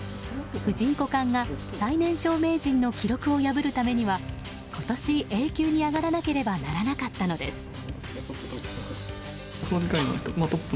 藤井五冠が最年少名人の記録を破るためには今年、Ａ級に上がらなければならなかったのです。